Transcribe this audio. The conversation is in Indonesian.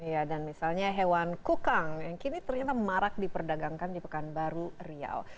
ya dan misalnya hewan kukang yang kini ternyata marak diperdagangkan di pekanbaru riau